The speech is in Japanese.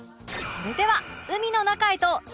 それでは